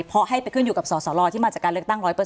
เพราะให้ไปขึ้นอยู่กับสสลที่มาจากการเลือกตั้ง๑๐๐